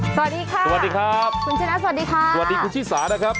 สวัสดีค่ะสวัสดีครับคุณชนะสวัสดีค่ะสวัสดีคุณชิสานะครับ